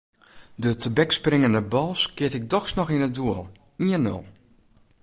De tebekspringende bal skeat ik dochs noch yn it doel: ien-nul.